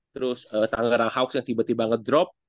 terus tanggerang hawks yang tiba tiba ngedrop